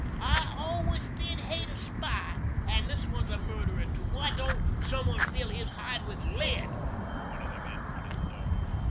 "I always did hate a spy and this one's a murderer too. Why don't some one fill his hide with lead?" one of the men wanted to know.